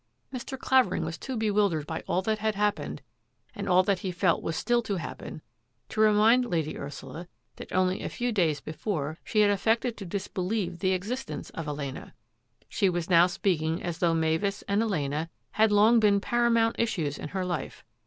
Mr. Clavering was too bewildered by all that had happened and all that he felt was still to happen to remind Lady Ursula that only a few days before she had affected to disbelieve the existence of Elena. She was now speaking as though Mavis and Elena had long been paramount issues in her life.